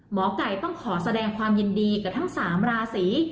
หมอไก่ต้องขอแสดงความยินดีกับทั้ง๓ราศี